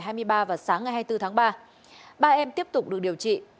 trong ngày hai mươi ba và sáng ngày hai mươi bốn tháng ba ba em tiếp tục được điều trị